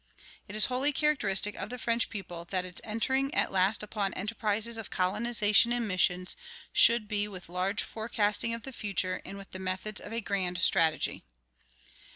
It is wholly characteristic of the French people that its entering at last upon enterprises of colonization and missions should be with large forecasting of the future and with the methods of a grand strategy.